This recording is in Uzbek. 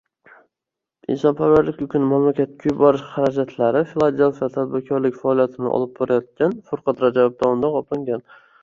Insonparvarlik yukini mamlakatga yuborish xarajatlari Filadelfiyada tadbirkorlik faoliyatini olib borayotgan Furqat Rajabov hisobidan qoplangan